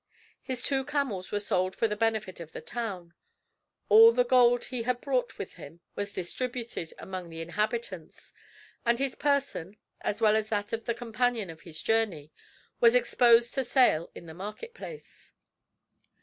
His two camels were sold for the benefit of the town; all the gold he had brought with him was distributed among the inhabitants; and his person, as well as that of the companion of his journey, was exposed to sale in the marketplace.